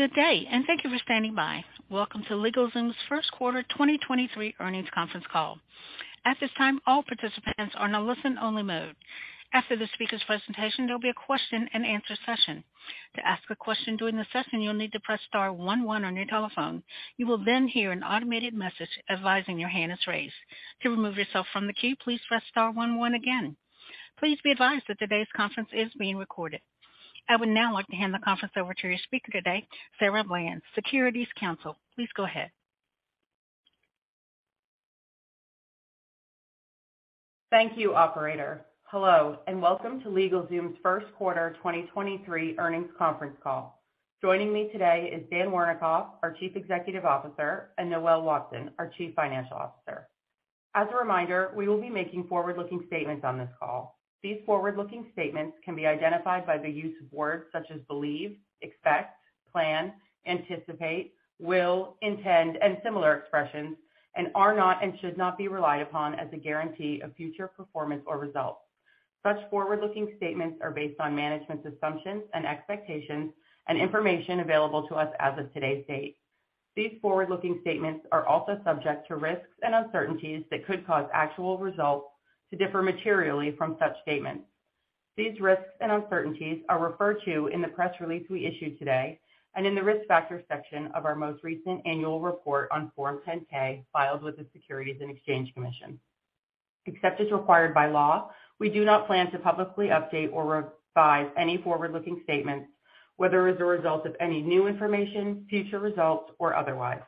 Good day, and thank you for standing by. Welcome to LegalZoom's Q1 2023 earnings conference call. At this time, all participants are in a listen only mode. After the speaker's presentation, there'll be a question-and-answer session. To ask a question during the session, you'll need to press star one one on your telephone. You will then hear an automated message advising your hand is raised. To remove yourself from the queue, please press star one one again. Please be advised that today's conference is being recorded. I would now like to hand the conference over to your speaker today, Sarah Bland, Securities Counsel. Please go ahead. Thank you, operator. Hello, and welcome to LegalZoom's 1st quarter 2023 earnings conference call. Joining me today is Dan Wernikoff, our Chief Executive Officer, and Noel Watson, our Chief Financial Officer. As a reminder, we will be making forward-looking statements on this call. These forward-looking statements can be identified by the use of words such as believe, expect, plan, anticipate, will, intend, and similar expressions, and are not and should not be relied upon as a guarantee of future performance or results. Such forward-looking statements are based on management's assumptions and expectations and information available to us as of today's date. These forward-looking statements are also subject to risks and uncertainties that could cause actual results to differ materially from such statements. These risks and uncertainties are referred to in the press release we issued today and in the Risk Factors section of our most recent annual report on Form 10-K filed with the Securities and Exchange Commission. Except as required by law, we do not plan to publicly update or revise any forward-looking statements, whether as a result of any new information, future results, or otherwise.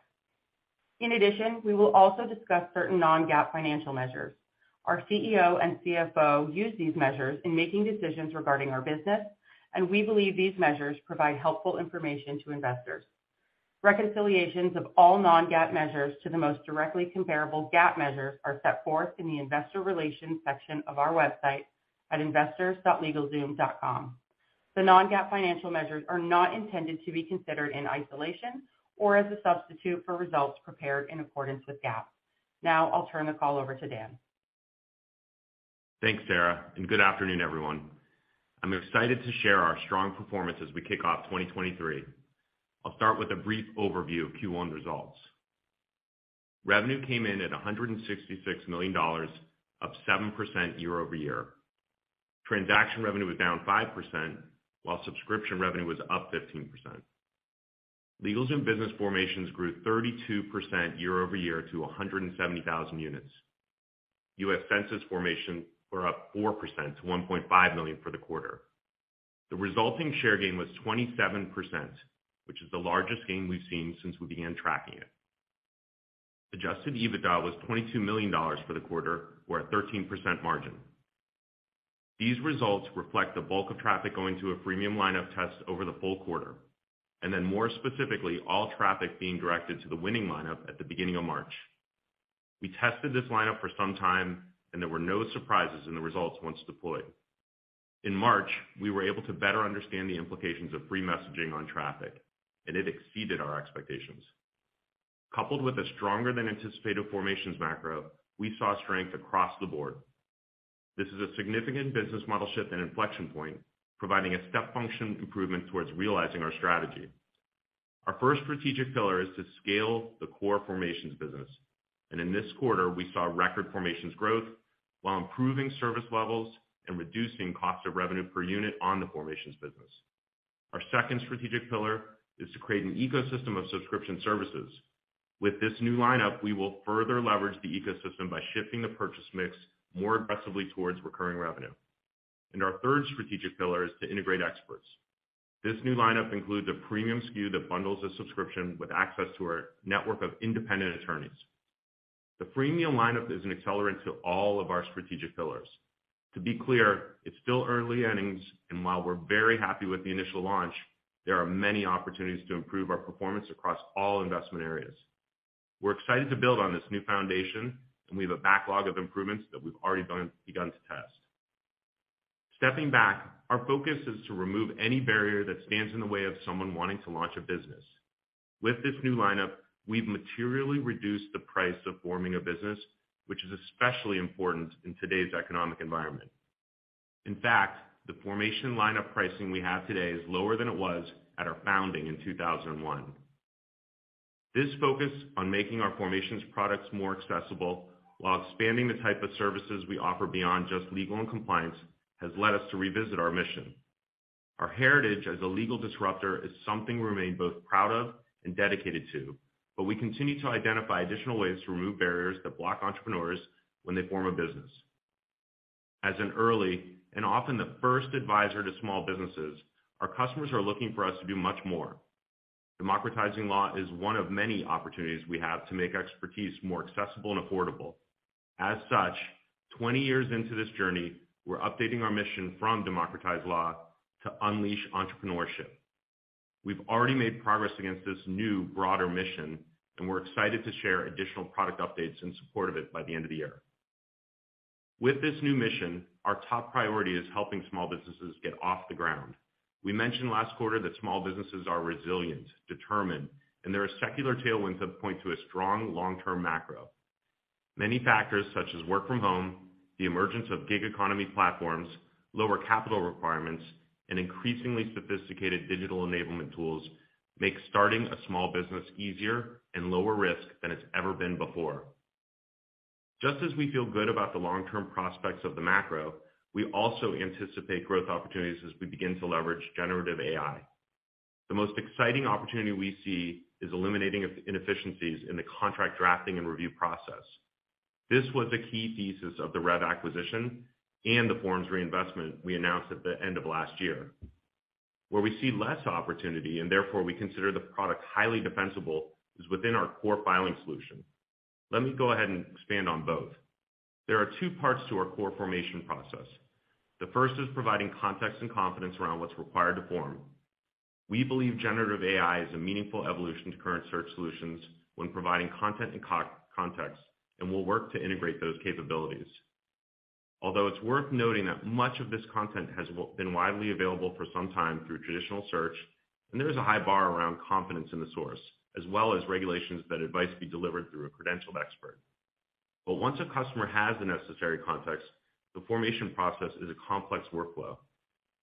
In addition, we will also discuss certain non-GAAP financial measures. Our CEO and CFO use these measures in making decisions regarding our business, and we believe these measures provide helpful information to investors. Reconciliations of all non-GAAP measures to the most directly comparable GAAP measures are set forth in the Investor Relations section of our website at investors.LegalZoom.com. The non-GAAP financial measures are not intended to be considered in isolation or as a substitute for results prepared in accordance with GAAP. I'll turn the call over to Dan. Thanks, Sarah. Good afternoon, everyone. I'm excited to share our strong performance as we kick off 2023. I'll start with a brief overview of Q1 results. Revenue came in at $166 million, up 7% year-over-year. Transaction revenue was down 5%, while subscription revenue was up 15%. LegalZoom business formations grew 32% year-over-year to 170,000 units. U.S. Census formations were up 4% to 1.5 million for the quarter. The resulting share gain was 27%, which is the largest gain we've seen since we began tracking it. Adjusted EBITDA was $22 million for the quarter, or a 13% margin. These results reflect the bulk of traffic going to a Freemium lineup test over the full quarter, and then more specifically, all traffic being directed to the winning lineup at the beginning of March. We tested this lineup for some time and there were no surprises in the results once deployed. In March, we were able to better understand the implications of free messaging on traffic, and it exceeded our expectations. Coupled with a stronger than anticipated formations macro, we saw strength across the board. This is a significant business model shift and inflection point, providing a step function improvement towards realizing our strategy. Our first strategic pillar is to scale the core formations business, and in this quarter, we saw record formations growth while improving service levels and reducing cost of revenue per unit on the formations business. Our second strategic pillar is to create an ecosystem of subscription services. With this new lineup, we will further leverage the ecosystem by shifting the purchase mix more aggressively towards recurring revenue. Our third strategic pillar is to integrate experts. This new lineup includes a premium SKU that bundles a subscription with access to our network of independent attorneys. The freemium lineup is an accelerant to all of our strategic pillars. To be clear, it's still early innings, and while we're very happy with the initial launch, there are many opportunities to improve our performance across all investment areas. We're excited to build on this new foundation and we have a backlog of improvements that we've already begun to test. Stepping back, our focus is to remove any barrier that stands in the way of someone wanting to launch a business. With this new lineup, we've materially reduced the price of forming a business, which is especially important in today's economic environment. In fact, the formation lineup pricing we have today is lower than it was at our founding in 2001. This focus on making our formations products more accessible while expanding the type of services we offer beyond just legal and compliance has led us to revisit our mission. Our heritage as a legal disruptor is something we remain both proud of and dedicated to, but we continue to identify additional ways to remove barriers that block entrepreneurs when they form a business. As an early and often the first advisor to small businesses, our customers are looking for us to do much more. Democratizing law is one of many opportunities we have to make expertise more accessible and affordable. As such, 20 years into this journey, we're updating our mission from democratize law to unleash entrepreneurship. We've already made progress against this new broader mission, and we're excited to share additional product updates in support of it by the end of the year. With this new mission, our top priority is helping small businesses get off the ground. We mentioned last quarter that small businesses are resilient, determined, and there are secular tailwinds that point to a strong long-term macro. Many factors such as work from home, the emergence of gig economy platforms, lower capital requirements, and increasingly sophisticated digital enablement tools make starting a small business easier and lower risk than it's ever been before. Just as we feel good about the long-term prospects of the macro, we also anticipate growth opportunities as we begin to leverage generative AI. The most exciting opportunity we see is eliminating of inefficiencies in the contract drafting and review process. This was a key thesis of the Revv acquisition and the forms reinvestment we announced at the end of last year. Where we see less opportunity and therefore we consider the product highly defensible, is within our core filing solution. Let me go ahead and expand on both. There are two parts to our core formation process. The first is providing context and confidence around what's required to form. We believe generative AI is a meaningful evolution to current search solutions when providing content and co-context, and we'll work to integrate those capabilities. It's worth noting that much of this content has been widely available for some time through traditional search, and there is a high bar around confidence in the source, as well as regulations that advice be delivered through a credentialed expert. Once a customer has the necessary context, the formation process is a complex workflow.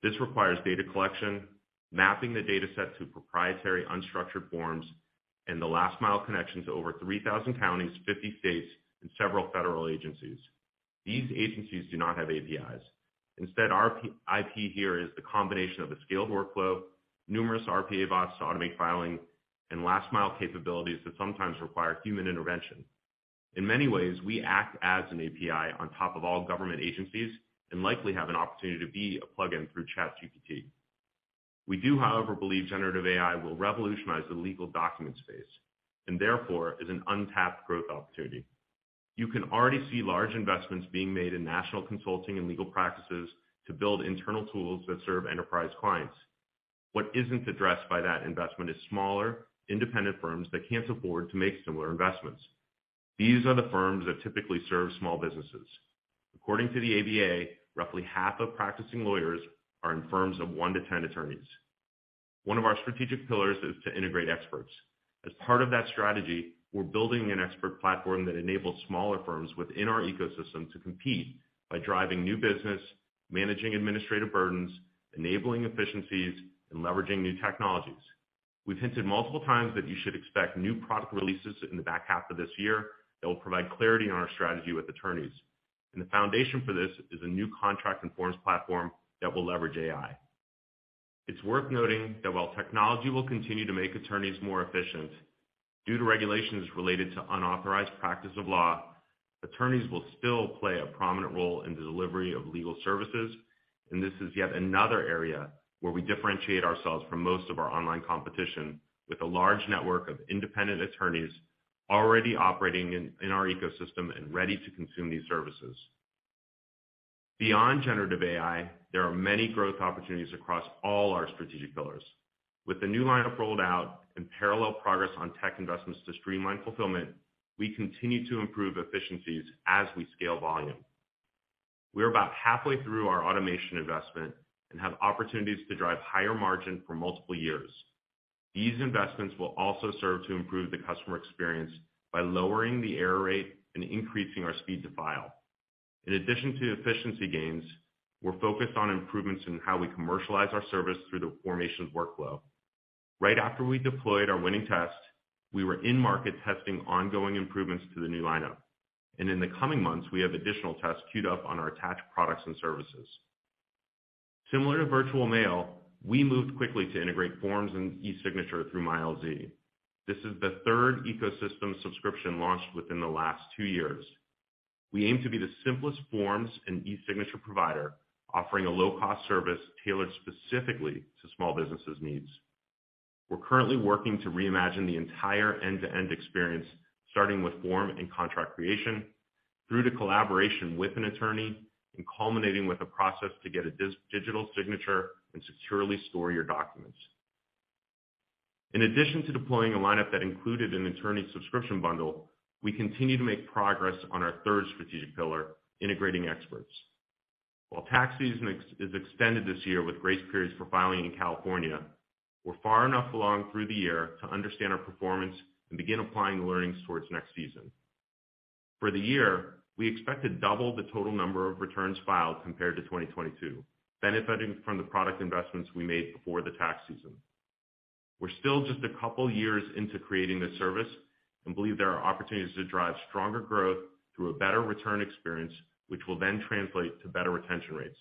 This requires data collection, mapping the dataset to proprietary unstructured forms, and the last mile connection to over 3,000 counties, 50 states, and several federal agencies. These agencies do not have APIs. Instead, our IP here is the combination of a scaled workflow, numerous RPA bots to automate filing and last mile capabilities that sometimes require human intervention. In many ways, we act as an API on top of all government agencies and likely have an opportunity to be a plugin through ChatGPT. We do, however, believe generative AI will revolutionize the legal document space, and therefore is an untapped growth opportunity. You can already see large investments being made in national consulting and legal practices to build internal tools that serve enterprise clients. What isn't addressed by that investment is smaller, independent firms that can't afford to make similar investments. These are the firms that typically serve small businesses. According to the ABA, roughly half of practicing lawyers are in firms of one to 10 attorneys. One of our strategic pillars is to integrate experts. As part of that strategy, we're building an expert platform that enables smaller firms within our ecosystem to compete by driving new business, managing administrative burdens, enabling efficiencies, and leveraging new technologies. We've hinted multiple times that you should expect new product releases in the back half of this year that will provide clarity on our strategy with attorneys. The foundation for this is a new contract and forms platform that will leverage AI. It's worth noting that while technology will continue to make attorneys more efficient, due to regulations related to unauthorized practice of law, attorneys will still play a prominent role in the delivery of legal services. This is yet another area where we differentiate ourselves from most of our online competition with a large network of independent attorneys already operating in our ecosystem and ready to consume these services. Beyond generative AI, there are many growth opportunities across all our strategic pillars. With the new lineup rolled out and parallel progress on tech investments to streamline fulfillment, we continue to improve efficiencies as we scale volume. We're about halfway through our automation investment and have opportunities to drive higher margin for multiple years. These investments will also serve to improve the customer experience by lowering the error rate and increasing our speed to file. In addition to efficiency gains, we're focused on improvements in how we commercialize our service through the formations workflow. Right after we deployed our winning test, we were in market testing ongoing improvements to the new lineup. In the coming months, we have additional tests queued up on our attached products and services. Similar to Virtual Mail, we moved quickly to integrate forms and eSignature through LZ. This is the third ecosystem subscription launched within the last two years. We aim to be the simplest forms and eSignature provider, offering a low-cost service tailored specifically to small businesses' needs. We're currently working to reimagine the entire end-to-end experience, starting with form and contract creation, through to collaboration with an attorney, and culminating with a process to get a digital signature and securely store your documents. In addition to deploying a lineup that included an attorney subscription bundle, we continue to make progress on our third strategic pillar, integrating experts. While tax season is extended this year with grace periods for filing in California, we're far enough along through the year to understand our performance and begin applying the learnings towards next season. For the year, we expect to double the total number of returns filed compared to 2022, benefiting from the product investments we made before the tax season. We're still just a couple years into creating this service and believe there are opportunities to drive stronger growth through a better return experience, which will then translate to better retention rates.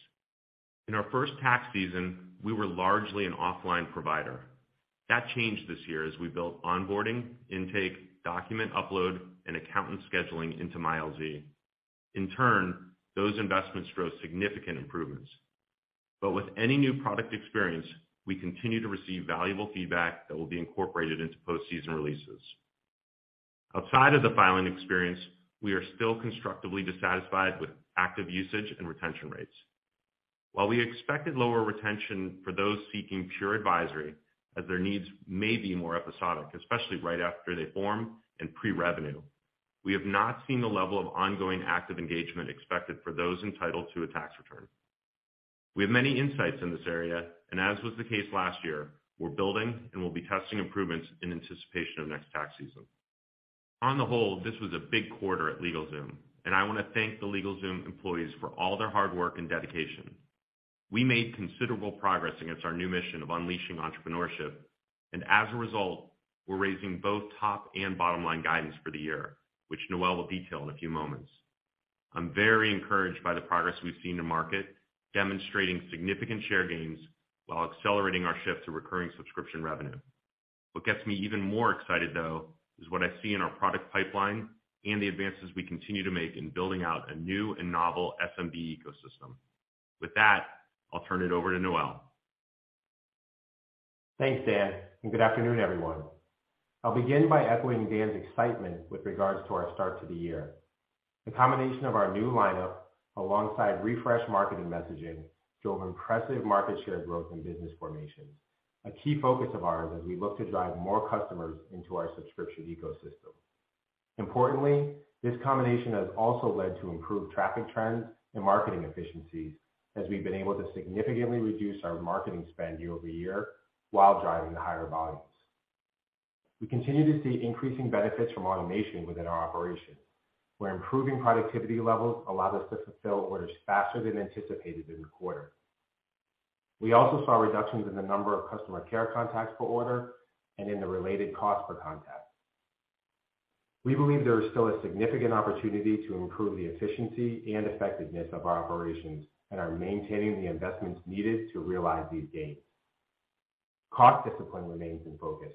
In our first tax season, we were largely an offline provider. That changed this year as we built onboarding, intake, document upload, and accountant scheduling into MileZ. In turn, those investments drove significant improvements. With any new product experience, we continue to receive valuable feedback that will be incorporated into post-season releases. Outside of the filing experience, we are still constructively dissatisfied with active usage and retention rates. While we expected lower retention for those seeking pure advisory as their needs may be more episodic, especially right after they form and pre-revenue, we have not seen the level of ongoing active engagement expected for those entitled to a tax return. We have many insights in this area, as was the case last year, we're building and we'll be testing improvements in anticipation of next tax season. On the whole, this was a big quarter at LegalZoom, I wanna thank the LegalZoom employees for all their hard work and dedication. We made considerable progress against our new mission of unleashing entrepreneurship. As a result, we're raising both top and bottom line guidance for the year, which Noel will detail in a few moments. I'm very encouraged by the progress we've seen in market, demonstrating significant share gains while accelerating our shift to recurring subscription revenue. What gets me even more excited, though, is what I see in our product pipeline and the advances we continue to make in building out a new and novel SMB ecosystem. With that, I'll turn it over to Noel. Thanks, Dan, and good afternoon, everyone. I'll begin by echoing Dan's excitement with regards to our start to the year. The combination of our new lineup alongside refreshed marketing messaging drove impressive market share growth in business formations, a key focus of ours as we look to drive more customers into our subscription ecosystem. Importantly, this combination has also led to improved traffic trends and marketing efficiencies as we've been able to significantly reduce our marketing spend year-over-year while driving the higher volumes. We continue to see increasing benefits from automation within our operations, where improving productivity levels allow us to fulfill orders faster than anticipated in the quarter. We also saw reductions in the number of customer care contacts per order and in the related cost per contact. We believe there is still a significant opportunity to improve the efficiency and effectiveness of our operations and are maintaining the investments needed to realize these gains. Cost discipline remains in focus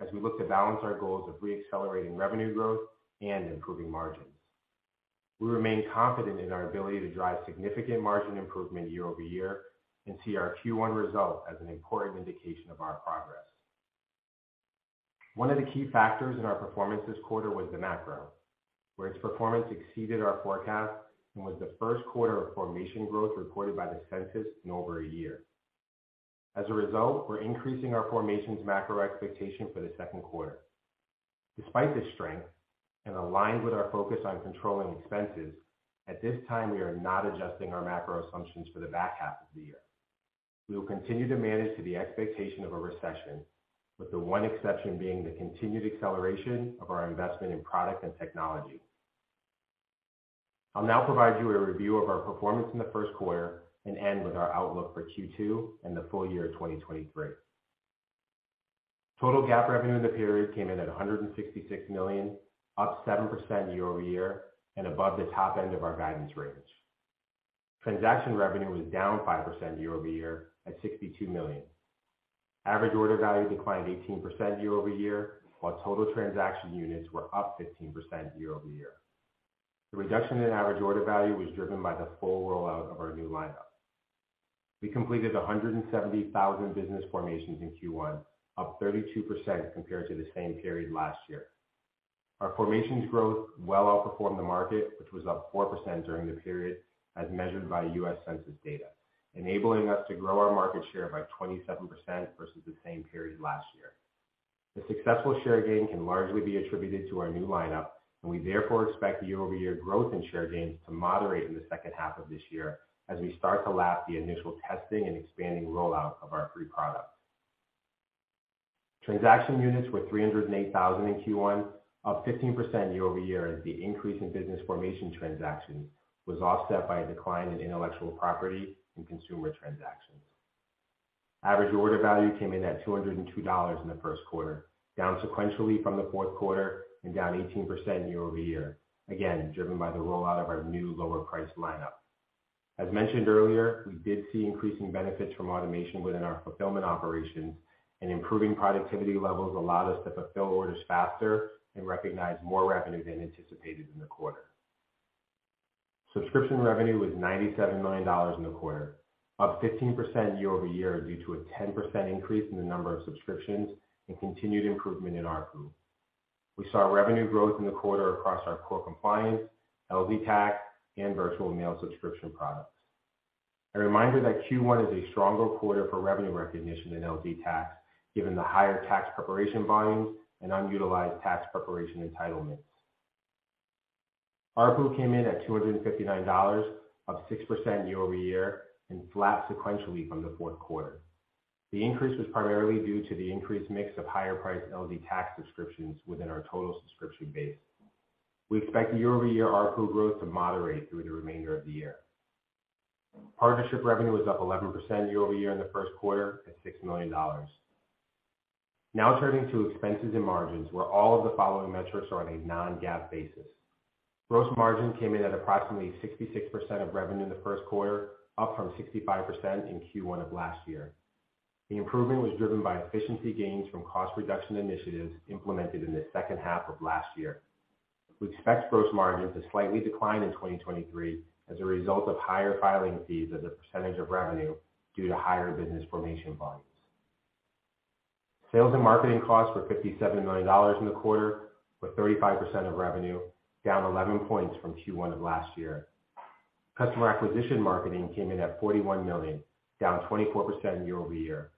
as we look to balance our goals of re-accelerating revenue growth and improving margins. We remain confident in our ability to drive significant margin improvement year-over-year and see our Q1 result as an important indication of our progress. One of the key factors in our performance this quarter was the macro, where its performance exceeded our forecast and was the Q1 of formation growth reported by the Census in over a year. As a result, we're increasing our formations macro expectation for the Q2. Despite this strength and aligned with our focus on controlling expenses, at this time, we are not adjusting our macro assumptions for the back half of the year. We will continue to manage to the expectation of a recession, with the one exception being the continued acceleration of our investment in product and technology. I'll now provide you a review of our performance in the Q1 and end with our outlook for Q2 and the full year of 2023. Total GAAP revenue in the period came in at $166 million, up 7% year-over-year and above the top end of our guidance range. Transaction revenue was down 5% year-over-year at $62 million. Average Order Value declined 18% year-over-year, while total transaction units were up 15% year-over-year. The reduction in Average Order Value was driven by the full rollout of our new lineup. We completed 170,000 business formations in Q1, up 32% compared to the same period last year. Our formations growth well outperformed the market, which was up 4% during the period as measured by US Census data, enabling us to grow our market share by 27% versus the same period last year. The successful share gain can largely be attributed to our new lineup. We therefore expect year-over-year growth in share gains to moderate in the H2 of this year as we start to lap the initial testing and expanding rollout of our free product. Transaction units were 308,000 in Q1, up 15% year-over-year as the increase in business formation transactions was offset by a decline in intellectual property and consumer transactions. Average order value came in at $202 in the Q1, down sequentially from the Q4 and down 18% year-over-year, again, driven by the rollout of our new lower price lineup. As mentioned earlier, we did see increasing benefits from automation within our fulfillment operations, and improving productivity levels allowed us to fulfill orders faster and recognize more revenue than anticipated in the quarter. Subscription revenue was $97 million in the quarter, up 15% year-over-year due to a 10% increase in the number of subscriptions and continued improvement in ARPU. We saw revenue growth in the quarter across our core compliance, LZ Tax, and virtual mail subscription products. A reminder that Q1 is a stronger quarter for revenue recognition in LZ Tax, given the higher tax preparation volumes and unutilized tax preparation entitlements. ARPU came in at $259, up 6% year-over-year and flat sequentially from the Q4. The increase was primarily due to the increased mix of higher price LZ Tax subscriptions within our total subscription base. We expect year-over-year ARPU growth to moderate through the remainder of the year. Partnership revenue was up 11% year-over-year in the Q1 at $6 million. Turning to expenses and margins, where all of the following metrics are on a non-GAAP basis. Gross margin came in at approximately 66% of revenue in the Q1, up from 65% in Q1 of last year. The improvement was driven by efficiency gains from cost reduction initiatives implemented in the H2 of last year. We expect gross margins to slightly decline in 2023 as a result of higher filing fees as a percentage of revenue due to higher business formation volumes. Sales and marketing costs were $57 million in the quarter, with 35% of revenue down 11 points from Q1 of last year. Customer acquisition marketing came in at $41 million, down 24% year-over-year.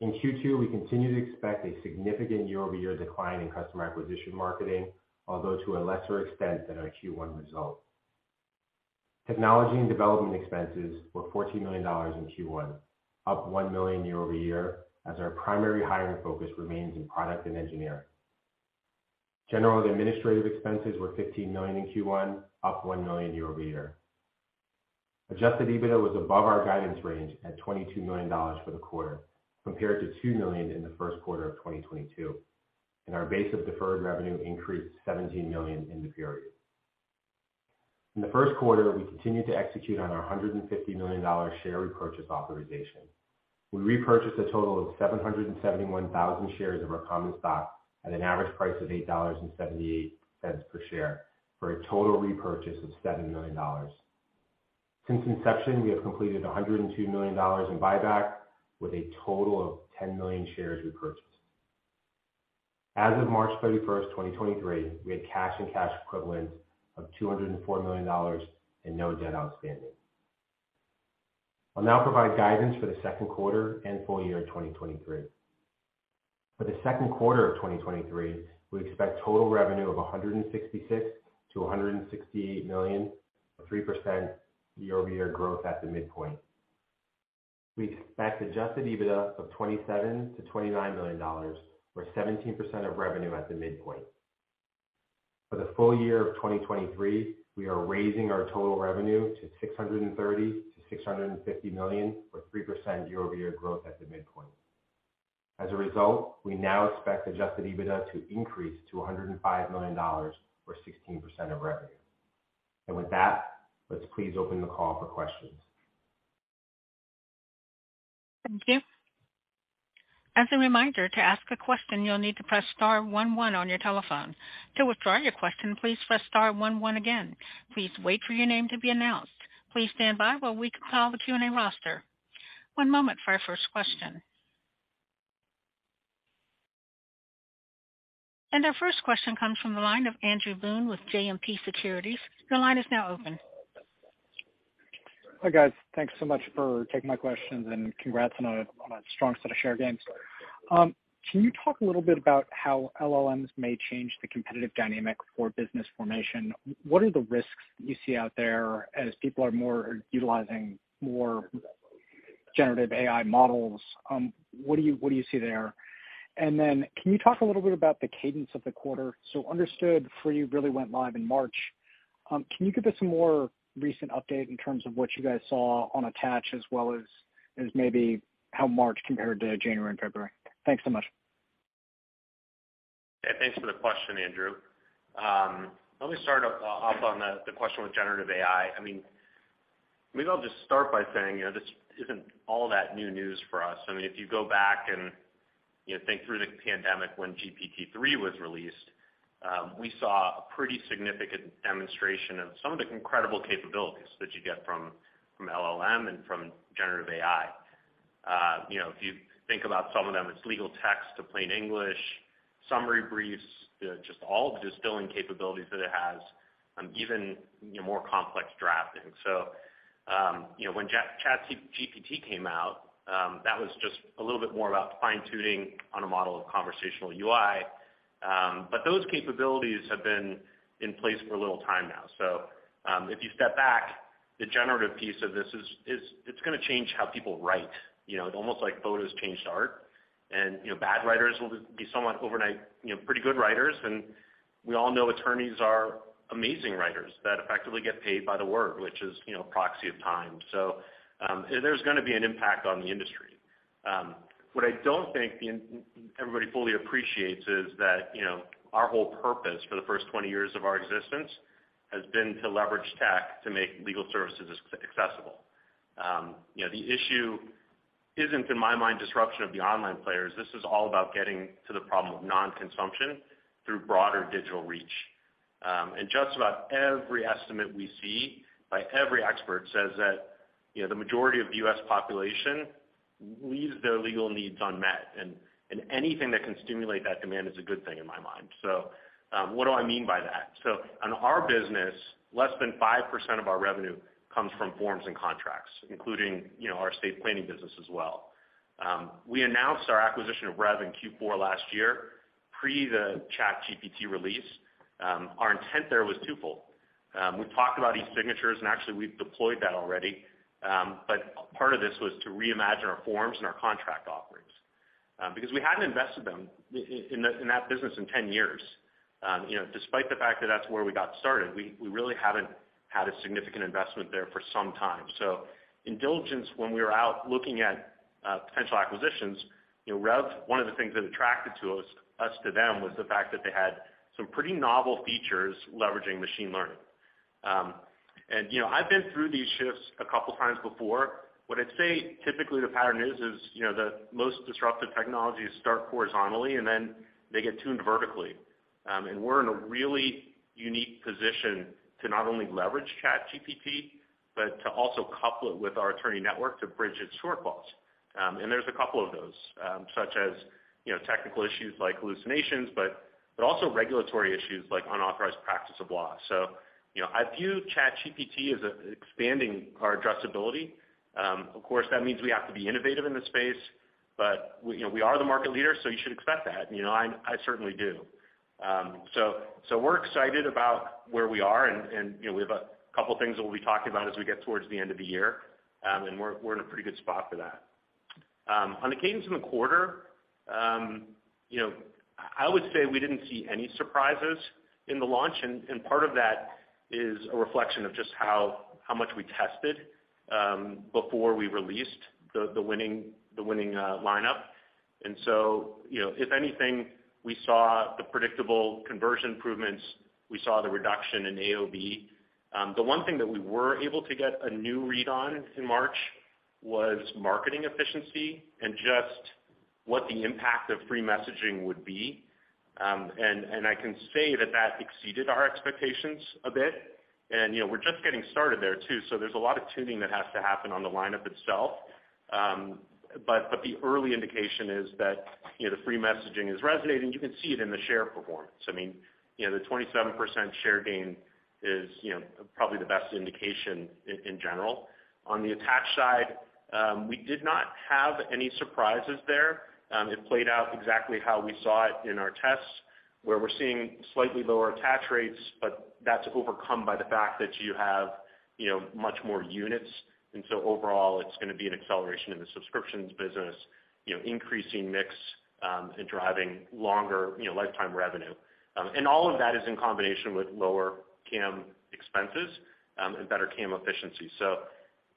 In Q2, we continue to expect a significant year-over-year decline in customer acquisition marketing, although to a lesser extent than our Q1 result. Technology and development expenses were $14 million in Q1, up $1 million year-over-year as our primary hiring focus remains in product and engineering. General and administrative expenses were $15 million in Q1, up $1 million year-over-year. Adjusted EBITDA was above our guidance range at $22 million for the quarter compared to $2 million in the Q1 of 2022, and our base of deferred revenue increased $17 million in the period. In the Q1, we continued to execute on our $150 million share repurchase authorization. We repurchased a total of 771,000 shares of our common stock at an an average price of $8.78 per share for a total repurchase of $7 million. Since inception, we have completed $102 million in buyback with a total of 10 million shares repurchased. As of March 31st, 2023, we had cash and cash equivalents of $204 million and no debt outstanding. I'll now provide guidance for the Q2 and full year 2023. For the Q2 of 2023, we expect total revenue of $166 million-$168 million, a 3% year-over-year growth at the midpoint. We expect adjusted EBITDA of $27 million-$29 million or 17% of revenue at the midpoint. For the full year of 2023, we are raising our total revenue to $630 million-$650 million, or 3% year-over-year growth at the midpoint. As a result, we now expect adjusted EBITDA to increase to $105 million or 16% of revenue. With that, let's please open the call for questions. Thank you. As a reminder, to ask a question, you'll need to press star one one on your telephone. To withdraw your question, please press star one one again. Please wait for your name to be announced. Please stand by while we compile the Q&A roster. One moment for our first question. Our first question comes from the line of Andrew Boone with JMP Securities. Your line is now open. Hi, guys. Thanks so much for taking my questions and congrats on a strong set of share gains. Can you talk a little bit about how LLMs may change the competitive dynamic for business formation? What are the risks you see out there as people are more utilizing more generative AI models? What do you see there? Then can you talk a little bit about the cadence of the quarter? Understood FreeReally went live in March. Can you give us some more recent update in terms of what you guys saw on Attach as well as maybe how March compared to January and February? Thanks so much. Thanks for the question, Andrew. Let me start off on the question with generative AI. I mean, maybe I'll just start by saying, you know, this isn't all that new news for us. I mean, if you go back and, you know, think through the pandemic when GPT-3 was released, we saw a pretty significant demonstration of some of the incredible capabilities that you get from LLM and from generative AI. You know, if you think about some of them, it's legal text to plain English, summary briefs, just all the distilling capabilities that it has, even, you know, more complex drafting. You know, when ChatGPT came out, that was just a little bit more about fine-tuning on a model of conversational UI. Those capabilities have been in place for a little time now. If you step back, the generative piece of this is it's gonna change how people write. You know, it's almost like photos changed art, and, you know, bad writers will be somewhat overnight, you know, pretty good writers. We all know attorneys are amazing writers that effectively get paid by the word, which is, you know, proxy of time. There's gonna be an impact on the industry. What I don't think everybody fully appreciates is that, you know, our whole purpose for the first 20 years of our existence has been to leverage tech to make legal services accessible. You know, the issue isn't, in my mind, disruption of the online players. This is all about getting to the problem of non-consumption through broader digital reach. Just about every estimate we see by every expert says that, you know, the majority of the U.S. population leaves their legal needs unmet, and anything that can stimulate that demand is a good thing in my mind. What do I mean by that? On our business, less than 5% of our revenue comes from forms and contracts, including, you know, our estate planning business as well. We announced our acquisition of Revv in Q4 last year, pre the ChatGPT release. Our intent there was twofold. We've talked about e-signatures, and actually we've deployed that already. Part of this was to reimagine our forms and our contract offerings, because we hadn't invested them in that business in 10 years. You know, despite the fact that that's where we got started, we really haven't had a significant investment there for some time. In diligence, when we were out looking at potential acquisitions, you know, Revv, one of the things that attracted to us to them, was the fact that they had some pretty novel features leveraging machine learning. You know, I've been through these shifts a couple times before. What I'd say typically the pattern is, you know, the most disruptive technologies start horizontally, and then they get tuned vertically. We're in a really unique position to not only leverage ChatGPT, but to also couple it with our attorney network to bridge its shortfalls. There's a couple of those, such as, you know, technical issues like hallucinations, but also regulatory issues like unauthorized practice of law. you know, I view ChatGPT as expanding our addressability. Of course, that means we have to be innovative in this space, but we, you know, we are the market leader, so you should expect that. You know, I certainly do. We're excited about where we are and, you know, we have a couple of things that we'll be talking about as we get towards the end of the year, and we're in a pretty good spot for that. On the cadence in the quarter, you know, I would say we didn't see any surprises in the launch, and part of that is a reflection of just how much we tested before we released the winning lineup. You know, if anything, we saw the predictable conversion improvements, we saw the reduction in AOV. The one thing that we were able to get a new read on in March was marketing efficiency and just what the impact of free messaging would be. I can say that that exceeded our expectations a bit. You know, we're just getting started there too, so there's a lot of tuning that has to happen on the lineup itself. But the early indication is that, you know, the free messaging is resonating. You can see it in the share performance. I mean, you know, the 27% share gain is, you know, probably the best indication in general. On the attach side, we did not have any surprises there. It played out exactly how we saw it in our tests, where we're seeing slightly lower attach rates, but that's overcome by the fact that you have, you know, much more units. Overall, it's gonna be an acceleration in the subscriptions business, you know, increasing mix, and driving longer, you know, lifetime revenue. All of that is in combination with lower CAM expenses, and better CAM efficiency.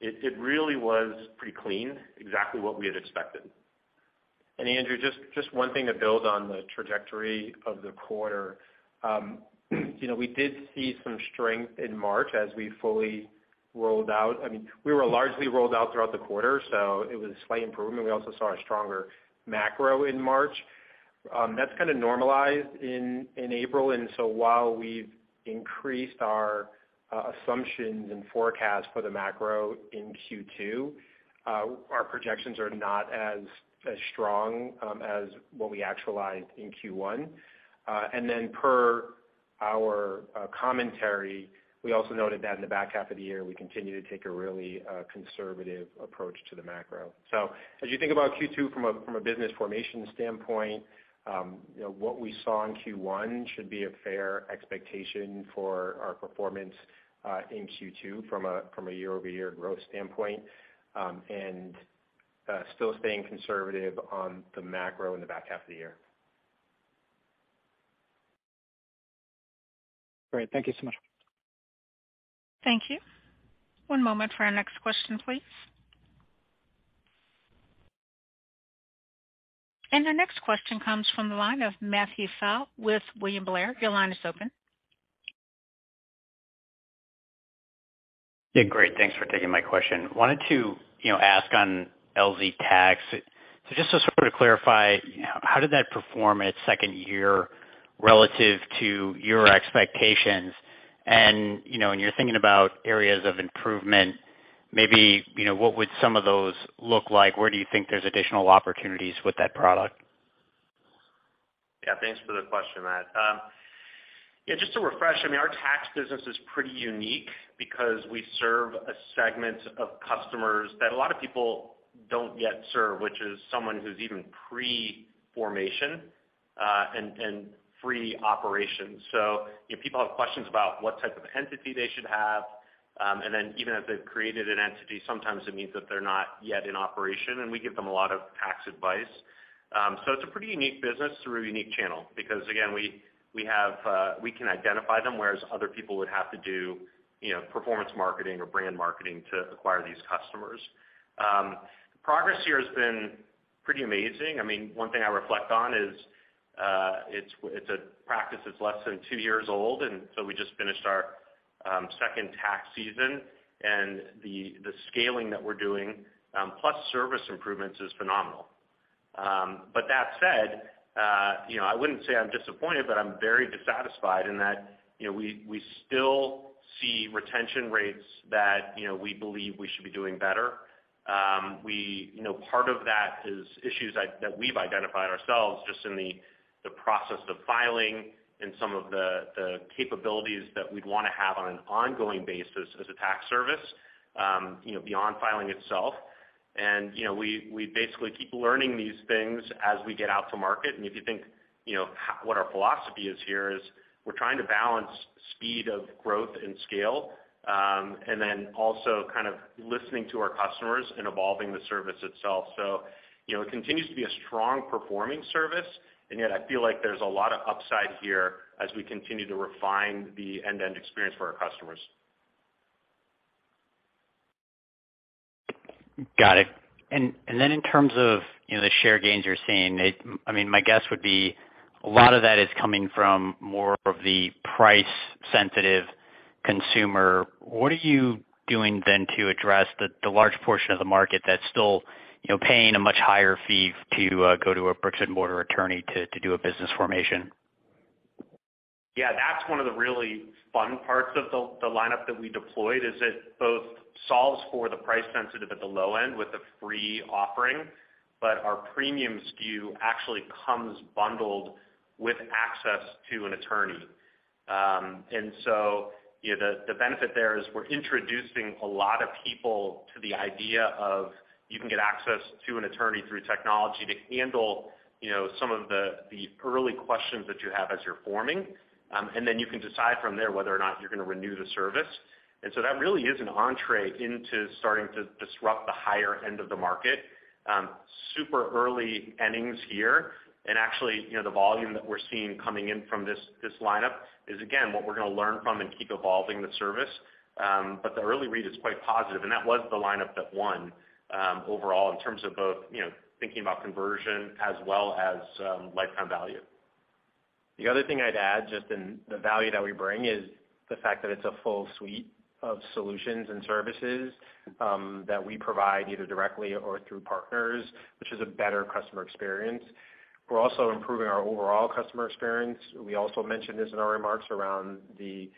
It really was pretty clean, exactly what we had expected. Andrew, just one thing to build on the trajectory of the quarter. You know, we did see some strength in March as we fully rolled out. I mean, we were largely rolled out throughout the quarter, so it was a slight improvement. We also saw a stronger macro in March. That's kinda normalized in April. While we've increased our assumptions and forecasts for the macro in Q2, our projections are not as strong as what we actualized in Q1. Then per our commentary, we also noted that in the back half of the year, we continue to take a really conservative approach to the macro. As you think about Q2 from a business formation standpoint, you know, what we saw in Q1 should be a fair expectation for our performance in Q2 from a year-over-year growth standpoint, and still staying conservative on the macro in the back half of the year. Great. Thank you so much. Thank you. One moment for our next question, please. Our next question comes from the line of Matthew Pfau with William Blair. Your line is open. Yeah, great. Thanks for taking my question. Wanted to, you know, ask on LZ Tax. Just to sort of clarify, how did that perform its second year relative to your expectations? You know, when you're thinking about areas of improvement, maybe, you know, what would some of those look like? Where do you think there's additional opportunities with that product? Yeah, thanks for the question, Matt. Yeah, just to refresh, I mean, our tax business is pretty unique because we serve a segment of customers that a lot of people don't yet serve, which is someone who's even pre-formation and pre-operation. If people have questions about what type of entity they should have, and then even if they've created an entity, sometimes it means that they're not yet in operation, and we give them a lot of tax advice. It's a pretty unique business through a unique channel because, again, we have, we can identify them, whereas other people would have to do, you know, performance marketing or brand marketing to acquire these customers. Progress here has been pretty amazing. I mean, one thing I reflect on is, it's a practice that's less than two years old. We just finished our second tax season. The, the scaling that we're doing, plus service improvements is phenomenal. That said, you know, I wouldn't say I'm disappointed, but I'm very dissatisfied in that, you know, we still see retention rates that, you know, we believe we should be doing better. You know, part of that is issues that we've identified ourselves just in the process of filing and some of the capabilities that we'd wanna have on an ongoing basis as a tax service, you know, beyond filing itself. You know, we basically keep learning these things as we get out to market. If you think, you know, what our philosophy is here is we're trying to balance speed of growth and scale, and then also kind of listening to our customers and evolving the service itself. You know, it continues to be a strong performing service, and yet I feel like there's a lot of upside here as we continue to refine the end-to-end experience for our customers. Got it. In terms of, you know, the share gains you're seeing, I mean, my guess would be a lot of that is coming from more of the price-sensitive consumer. What are you doing then to address the large portion of the market that's still, you know, paying a much higher fee to go to a bricks and mortar attorney to do a business formation? Yeah, that's one of the really fun parts of the lineup that we deployed, is it both solves for the price sensitive at the low end with the free offering, but our premium SKU actually comes bundled with access to an attorney. You know, the benefit there is we're introducing a lot of people to the idea of you can get access to an attorney through technology to handle, you know, some of the early questions that you have as you're forming. Then you can decide from there whether or not you're gonna renew the service. That really is an entree into starting to disrupt the higher end of the market. Super early innings here, actually, you know, the volume that we're seeing coming in from this lineup is again, what we're gonna learn from and keep evolving the service. The early read is quite positive, and that was the lineup that won, overall in terms of both, you know, thinking about conversion as well as lifetime value. The other thing I'd add just in the value that we bring is the fact that it's a full suite of solutions and services that we provide either directly or through partners, which is a better customer experience. We're also improving our overall customer experience. We also mentioned this in our remarks around the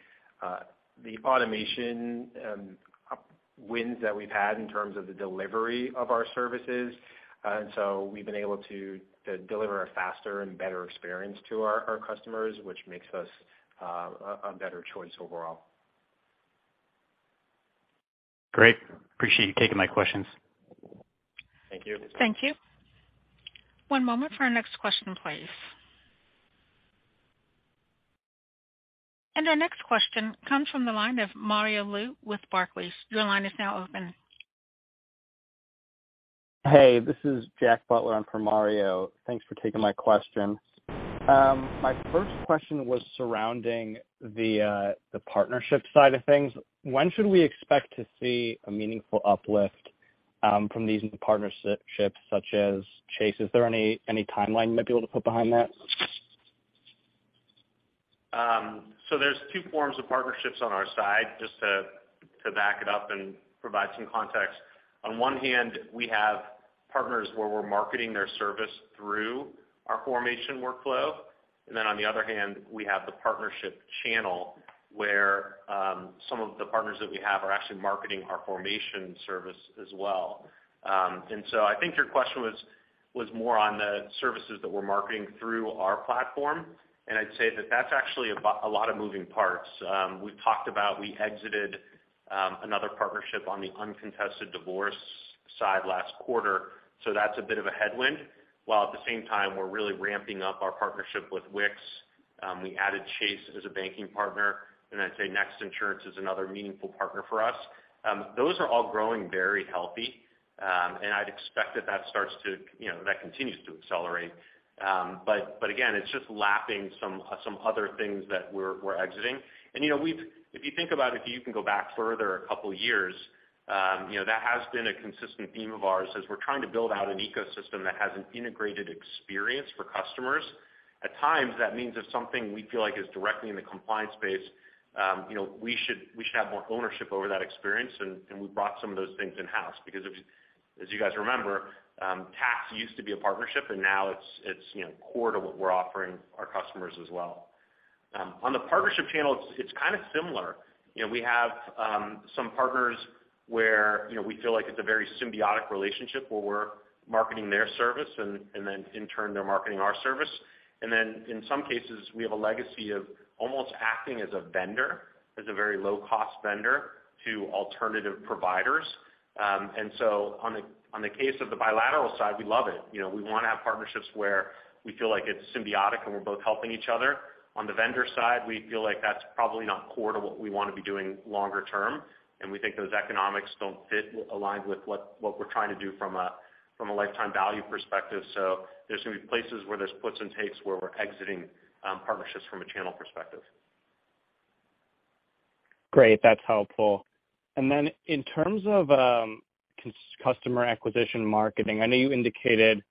automation and up-- wins that we've had in terms of the delivery of our services. We've been able to deliver a faster and better experience to our customers, which makes us a better choice overall. Great. Appreciate you taking my questions. Thank you. Thank you. One moment for our next question, please. Our next question comes from the line of Mario Lu with Barclays. Your line is now open. Hey, this is Jack Butler in for Mario. Thanks for taking my question. My first question was surrounding the partnership side of things. When should we expect to see a meaningful uplift from these new partnerships such as Chase? Is there any timeline you might be able to put behind that? There's two forms of partnerships on our side just to back it up and provide some context. On one hand, we have partners where we're marketing their service through our formation workflow. On the other hand, we have the partnership channel where some of the partners that we have are actually marketing our formation service as well. I think your question was more on the services that we're marketing through our platform. I'd say that that's actually a lot of moving parts. We've talked about we exited another partnership on the uncontested divorce side last quarter, so that's a bit of a headwind. While at the same time, we're really ramping up our partnership with Wix. We added Chase as a banking partner, and I'd say NEXT Insurance is another meaningful partner for us. Those are all growing very healthy, and I'd expect that that starts to, you know, that continues to accelerate. Again, it's just lapping some other things that we're exiting. You know, if you think about it, if you can go back further a couple years, you know, that has been a consistent theme of ours as we're trying to build out an ecosystem that has an integrated experience for customers. At times, that means if something we feel like is directly in the compliance space, you know, we should have more ownership over that experience, and we brought some of those things in-house. If, as you guys remember, tax used to be a partnership, and now it's, you know, core to what we're offering our customers as well. On the partnership channel, it's kind of similar. You know, we have some partners where, you know, we feel like it's a very symbiotic relationship where we're marketing their service and then in turn they're marketing our service. In some cases, we have a legacy of almost acting as a vendor, as a very low-cost vendor to alternative providers. On the, on the case of the bilateral side, we love it. You know, we wanna have partnerships where we feel like it's symbiotic and we're both helping each other. On the vendor side, we feel like that's probably not core to what we wanna be doing longer term, and we think those economics don't fit aligned with what we're trying to do from a lifetime value perspective. There's gonna be places where there's puts and takes where we're exiting, partnerships from a channel perspective. Great. That's helpful. Then in terms of customer acquisition marketing, I know you indicated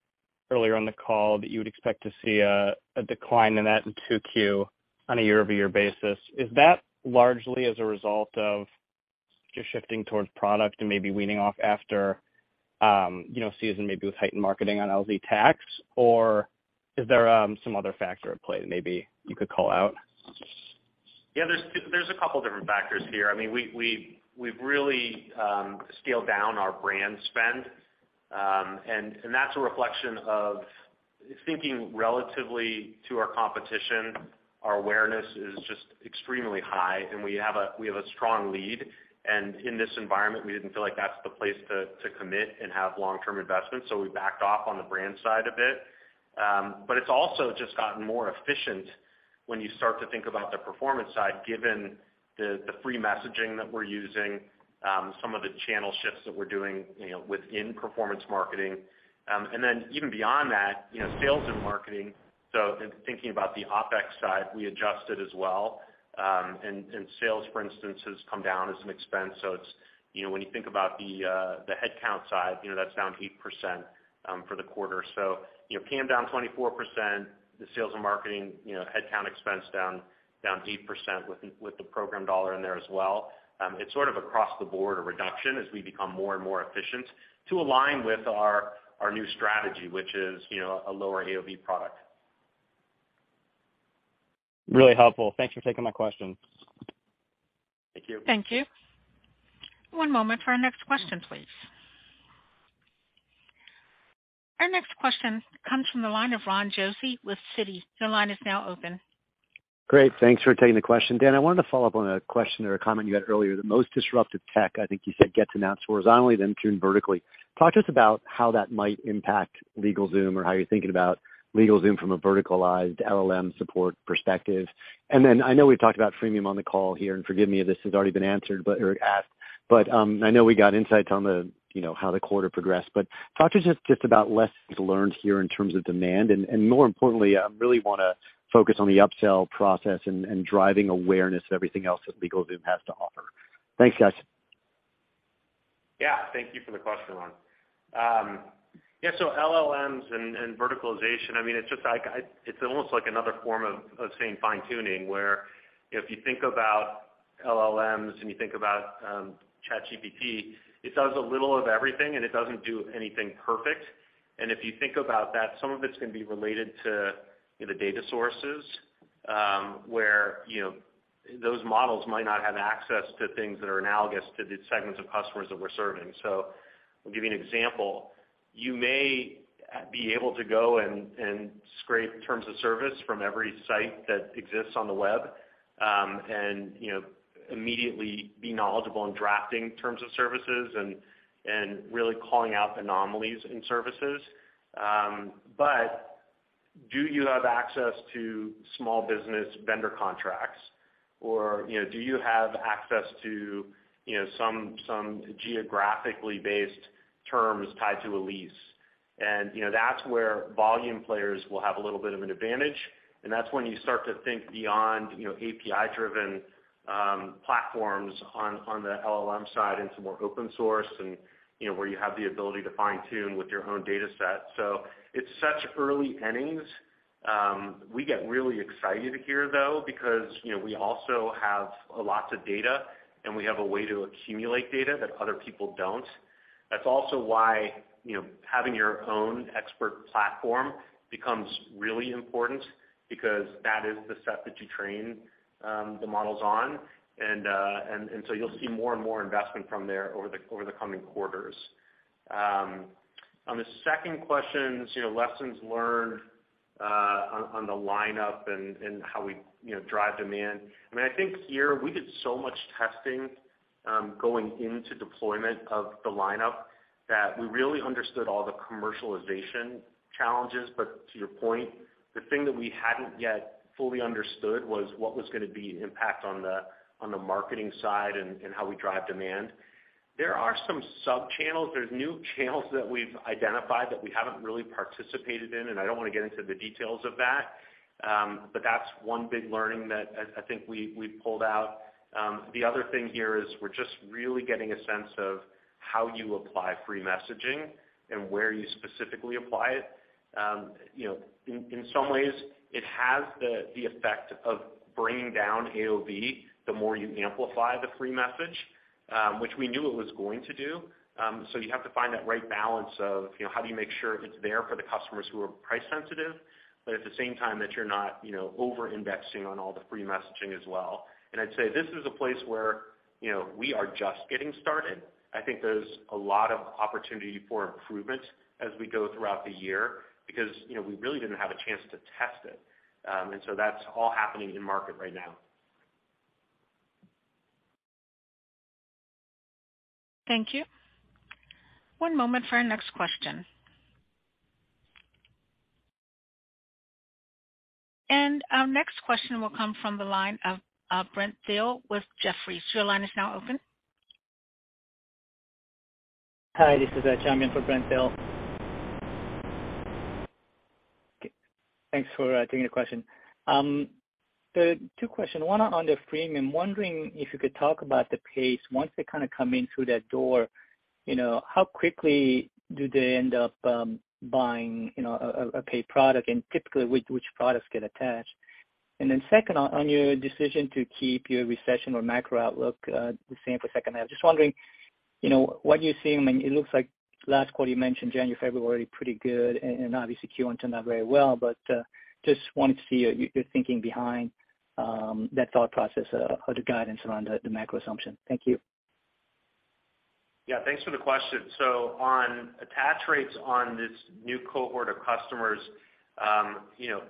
earlier on the call that you would expect to see a decline in that in Q2 on a year-over-year basis. Is that largely as a result of just shifting towards product and maybe weaning off after, you know, season maybe with heightened marketing on LZ Tax? Or is there some other factor at play that maybe you could call out? Yeah, there's a couple different factors here. I mean, we've really scaled down our brand spend. That's a reflection of thinking relatively to our competition. Our awareness is just extremely high, and we have a strong lead. In this environment, we didn't feel like that's the place to commit and have long-term investments, so we backed off on the brand side a bit. It's also just gotten more efficient when you start to think about the performance side, given the free messaging that we're using, some of the channel shifts that we're doing, you know, within performance marketing. Then even beyond that, you know, sales and marketing, so in thinking about the OpEx side, we adjusted as well. Sales, for instance, has come down as an expense. It's, you know, when you think about the headcount side, you know, that's down 8% for the quarter. You know, PM down 24%, the sales and marketing, you know, headcount expense down 8% with the program dollar in there as well. It's sort of across the board a reduction as we become more and more efficient to align with our new strategy, which is, you know, a lower AOV product. Really helpful. Thanks for taking my question. Thank you. Thank you. One moment for our next question, please. Our next question comes from the line of Ron Josey with Citi. Your line is now open. Great. Thanks for taking the question. Dan, I wanted to follow up on a question or a comment you had earlier. The most disruptive tech, I think you said, gets announced horizontally, then tuned vertically. Talk to us about how that might impact LegalZoom or how you're thinking about LegalZoom from a verticalized LLM support perspective. I know we've talked about Freemium on the call here, and forgive me if this has already been answered or asked, but I know we got insights on the, you know, how the quarter progressed, but talk to us just about lessons learned here in terms of demand and more importantly, really wanna focus on the upsell process and driving awareness of everything else that LegalZoom has to offer. Thanks, guys. Thank you for the question, Ron. LLMs and verticalization, I mean, it's just like it's almost like another form of saying fine-tuning, where if you think about LLMs and you think about ChatGPT, it does a little of everything, and it doesn't do anything perfect. If you think about that, some of it's gonna be related to, you know, the data sources, where, you know, those models might not have access to things that are analogous to the segments of customers that we're serving. I'll give you an example. You may be able to go and scrape terms of service from every site that exists on the web, and, you know, immediately be knowledgeable in drafting terms of services and really calling out anomalies in services. Do you have access to small business vendor contracts or, you know, do you have access to, you know, some geographically based terms tied to a lease? You know, that's where volume players will have a little bit of an advantage, and that's when you start to think beyond, you know, API-driven platforms on the LLM side into more open source and, you know, where you have the ability to fine-tune with your own data set. It's such early innings. We get really excited here, though, because, you know, we also have lots of data, and we have a way to accumulate data that other people don't. That's also why, you know, having your own expert platform becomes really important because that is the set that you train the models on. You'll see more and more investment from there over the coming quarters. On the second question, lessons learned on the lineup and how we, you know, drive demand. I mean, I think here we did so much testing going into deployment of the lineup that we really understood all the commercialization challenges. To your point, the thing that we hadn't yet fully understood was what was gonna be impact on the marketing side and how we drive demand. There are some sub-channels. There's new channels that we've identified that we haven't really participated in, I don't wanna get into the details of that, but that's one big learning that I think we pulled out. The other thing here is we're just really getting a sense of how you apply free messaging and where you specifically apply it. You know, in some ways it has the effect of bringing down AOV the more you amplify the free message, which we knew it was going to do. You have to find that right balance of, you know, how do you make sure it's there for the customers who are price sensitive, but at the same time that you're not, you know, over-indexing on all the free messaging as well. I'd say this is a place where, you know, we are just getting started. I think there's a lot of opportunity for improvement as we go throughout the year because, you know, we really didn't have a chance to test it. That's all happening in market right now. Thank you. One moment for our next question. Our next question will come from the line of Brent Thill with Jefferies. Your line is now open. Hi, this is Cha Min for Brent Thill. Thanks for taking the question. Two question. One, on the Freemium, wondering if you could talk about the pace once they kind of come in through that door, you know, how quickly do they end up buying, you know, a, a paid product and typically which products get attached? Second, on your decision to keep your recession or macro outlook the same for H2. Just wondering, you know, what you're seeing. I mean, it looks like last quarter you mentioned January, February pretty good, and obviously Q1 turned out very well, but just wanted to see your thinking behind that thought process or the guidance around the macro assumption. Thank you. Yeah, thanks for the question. On attach rates on this new cohort of customers, you know,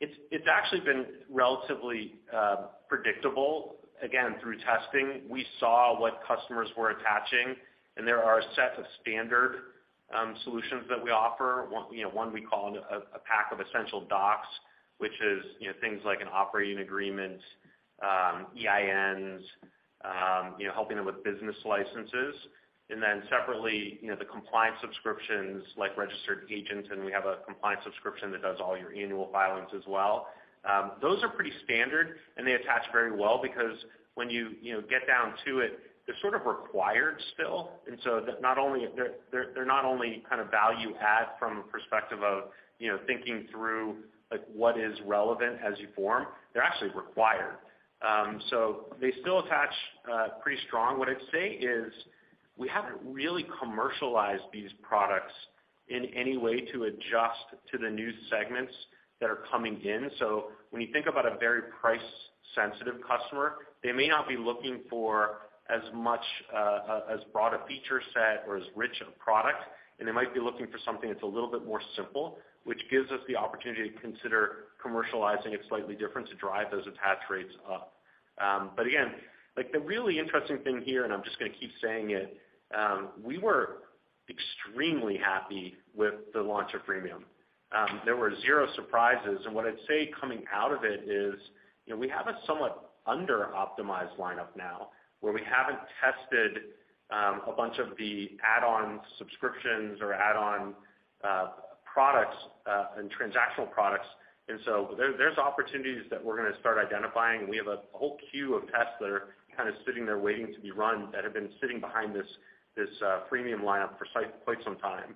it's actually been relatively predictable. Again, through testing, we saw what customers were attaching, and there are a set of standard solutions that we offer. One, you know, one we call a pack of essential docs, which is, you know, things like an operating agreement, EINs, you know, helping them with business licenses. Separately, you know, the compliance subscriptions like registered agent, and we have a compliance subscription that does all your annual filings as well. Those are pretty standard, and they attach very well because when you know, get down to it, they're sort of required still. They're not only kind of value add from a perspective of, you know, thinking through, like, what is relevant as you form, they're actually required. They still attach pretty strong. What I'd say is we haven't really commercialized these products in any way to adjust to the new segments that are coming in. When you think about a very price-sensitive customer, they may not be looking for as much as broad a feature set or as rich a product, and they might be looking for something that's a little bit more simple, which gives us the opportunity to consider commercializing it slightly different to drive those attach rates up. Again, like, the really interesting thing here, and I'm just gonna keep saying it, we were extremely happy with the launch of Freemium. There were zero surprises. What I'd say coming out of it is, you know, we have a somewhat under-optimized lineup now where we haven't tested, a bunch of the add-on subscriptions or add-on products and transactional products. There, there's opportunities that we're gonna start identifying. We have a whole queue of tests that are kinda sitting there waiting to be run that have been sitting behind this Freemium lineup for quite some time.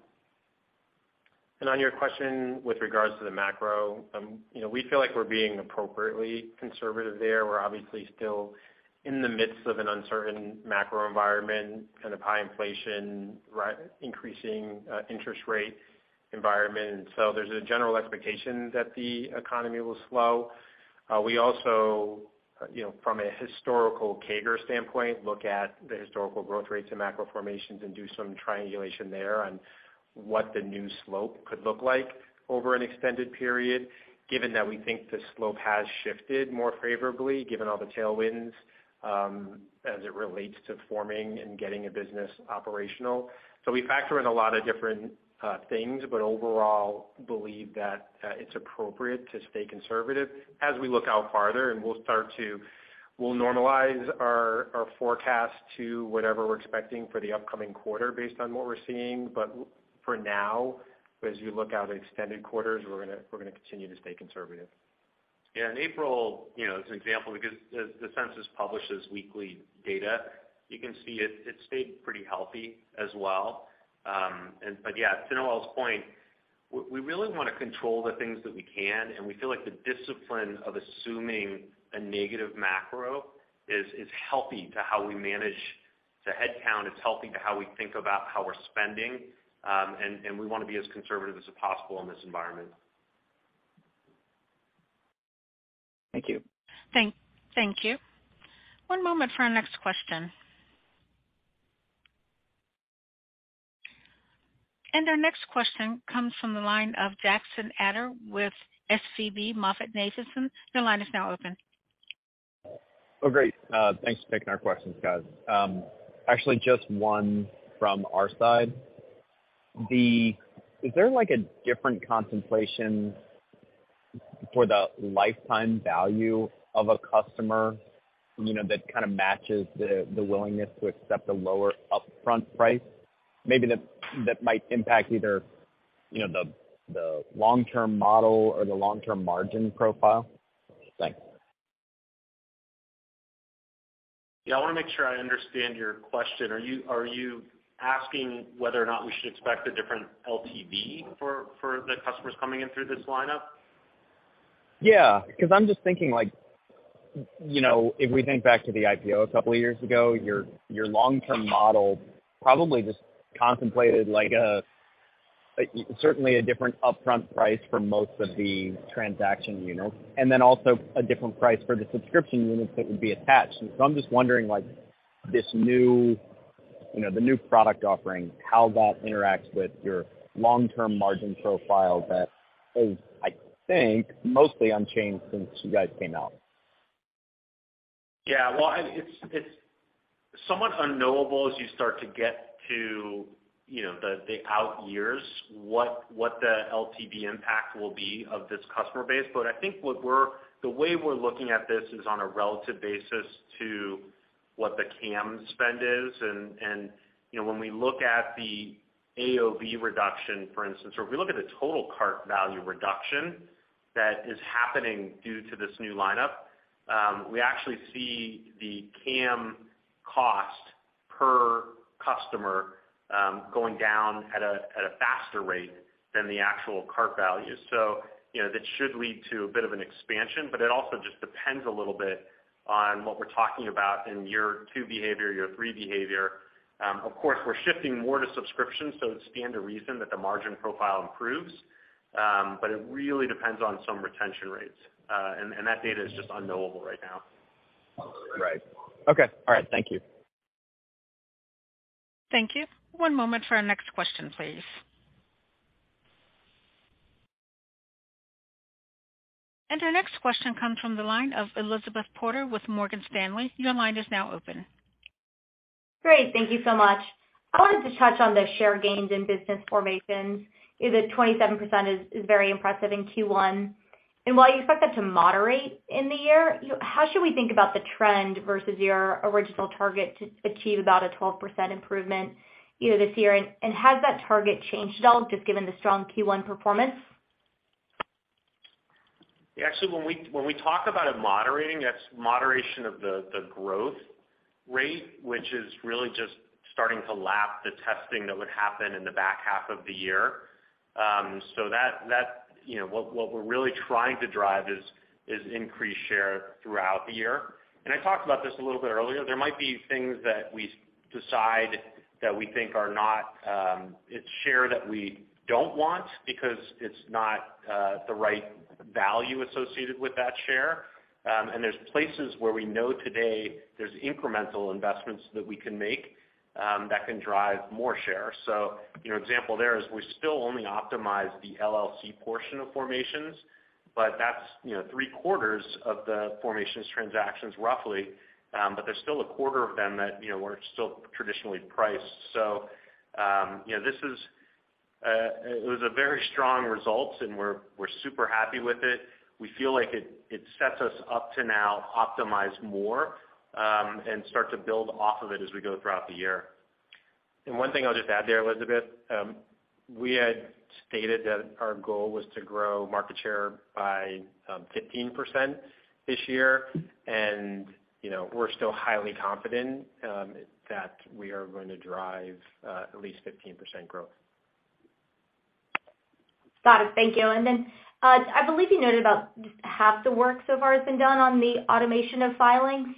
On your question with regards to the macro, you know, we feel like we're being appropriately conservative there. We're obviously still in the midst of an uncertain macro environment, kind of high inflation, increasing interest rate environment. There's a general expectation that the economy will slow. We also, you know, from a historical CAGR standpoint, look at the historical growth rates and macro formations and do some triangulation there on what the new slope could look like over an extended period, given that we think the slope has shifted more favorably, given all the tailwinds, as it relates to forming and getting a business operational. We factor in a lot of different things, but overall believe that it's appropriate to stay conservative as we look out farther and we'll normalize our forecast to whatever we're expecting for the upcoming quarter based on what we're seeing. For now, as you look out extended quarters, we're gonna continue to stay conservative. Yeah, in April, you know, as an example, because as the U.S. Census publishes weekly data, you can see it stayed pretty healthy as well. Yeah, to Noel's point, we really wanna control the things that we can, and we feel like the discipline of assuming a negative macro is healthy to how we manage the headcount. It's healthy to how we think about how we're spending, and we wanna be as conservative as possible in this environment. Thank you. Thank you. One moment for our next question. Our next question comes from the line of Jackson Ader with SVB MoffettNathanson. Your line is now open. Great. Thanks for taking our questions, guys. Actually, just one from our side. Is there like a different contemplation for the lifetime value of a customer, you know, that kinda matches the willingness to accept a lower upfront price? Maybe that might impact either, you know, the long-term model or the long-term margin profile. Thanks. Yeah, I wanna make sure I understand your question. Are you asking whether or not we should expect a different LTV for the customers coming in through this lineup? Yeah, 'cause I'm just thinking, like, you know, if we think back to the IPO a couple of years ago, your long-term model probably just contemplated like a, certainly a different upfront price for most of the transaction units, and then also a different price for the subscription units that would be attached. I'm just wondering, like this new, you know, the new product offering, how that interacts with your long-term margin profile that is, I think, mostly unchanged since you guys came out? Yeah. Well, I mean, it's somewhat unknowable as you start to get to, you know, the out years, what the LTV impact will be of this customer base. I think the way we're looking at this is on a relative basis to what the CAM spend is. You know, when we look at the AOV reduction, for instance, or if we look at the total cart value reduction that is happening due to this new lineup, we actually see the CAM cost per customer going down at a faster rate than the actual cart value. You know, that should lead to a bit of an expansion, but it also just depends a little bit on what we're talking about in year two behavior, year three behavior. Of course, we're shifting more to subscriptions, so it stands to reason that the margin profile improves. It really depends on some retention rates. That data is just unknowable right now. Right. Okay. All right. Thank you. Thank you. One moment for our next question, please. Our next question comes from the line of Elizabeth Porter with Morgan Stanley. Your line is now open. Great. Thank you so much. I wanted to touch on the share gains in business formations, is that 27% is very impressive in Q1. While you expect that to moderate in the year, you know, how should we think about the trend versus your original target to achieve about a 12% improvement, you know, this year? Has that target changed at all just given the strong Q1 performance? Actually, when we talk about it moderating, that's moderation of the growth rate, which is really just starting to lap the testing that would happen in the back half of the year. That's, you know, what we're really trying to drive is increased share throughout the year. I talked about this a little bit earlier. There might be things that we decide that we think are not, it's share that we don't want because it's not the right value associated with that share. There's places where we know today there's incremental investments that we can make that can drive more share. You know, example there is we still only optimize the LLC portion of formations, but that's, you know, three quarters of the formations transactions roughly. There's still a quarter of them that, you know, weren't still traditionally priced. You know, this is, it was a very strong results and we're super happy with it. We feel like it sets us up to now optimize more, and start to build off of it as we go throughout the year. One thing I'll just add there, Elizabeth, we had stated that our goal was to grow market share by 15% this year. You know, we're still highly confident that we are going to drive at least 15% growth. Got it. Thank you. Then, I believe you noted about half the work so far has been done on the automation of filings.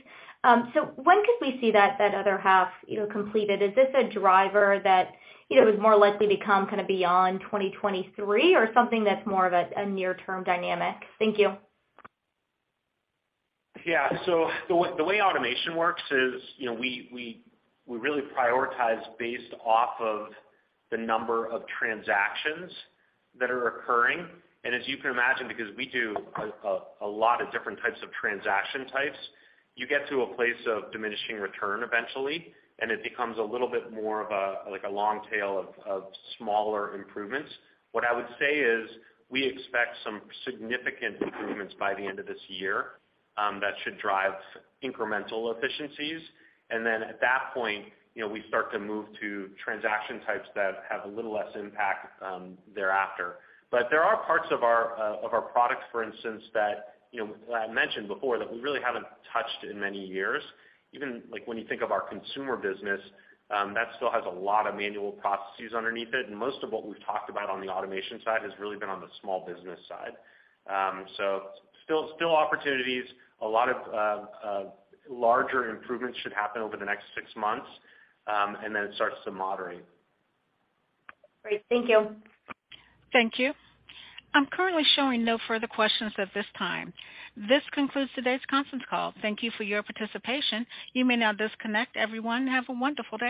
So when could we see that other half, you know, completed? Is this a driver that, you know, is more likely to come kind of beyond 2023 or something that's more of a near term dynamic? Thank you. Yeah. The way automation works is, you know, we really prioritize based off of the number of transactions that are occurring. As you can imagine, because we do a lot of different types of transaction types, you get to a place of diminishing return eventually, and it becomes a little bit more of a, like a long tail of smaller improvements. What I would say is we expect some significant improvements by the end of this year that should drive incremental efficiencies. At that point, you know, we start to move to transaction types that have a little less impact thereafter. There are parts of our products, for instance, that, you know, I mentioned before that we really haven't touched in many years. Even like when you think of our consumer business, that still has a lot of manual processes underneath it. Most of what we've talked about on the automation side has really been on the small business side. Still opportunities. A lot of larger improvements should happen over the next six months, then it starts to moderate. Great. Thank you. Thank you. I'm currently showing no further questions at this time. This concludes today's conference call. Thank you for your participation. You may now disconnect. Everyone, have a wonderful day.